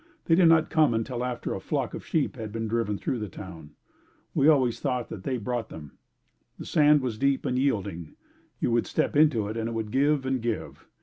They did not come until after a flock of sheep had been driven through the town. We always thought they brought them. The sand was deep and yielding. You would step into it and it would give and give.